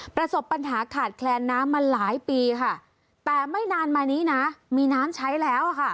ประสบปัญหาขาดแคลนน้ำมาหลายปีค่ะแต่ไม่นานมานี้นะมีน้ำใช้แล้วค่ะ